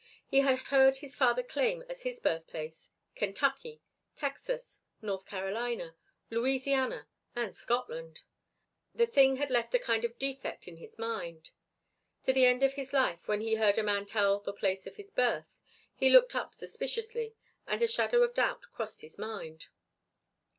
He had heard his father claim as his birthplace Kentucky, Texas, North Carolina, Louisiana and Scotland. The thing had left a kind of defect in his mind. To the end of his life when he heard a man tell the place of his birth he looked up suspiciously, and a shadow of doubt crossed his mind.